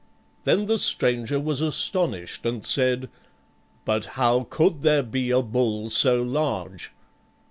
Then the stranger was astonished and said :" But how could there be a bull so large?"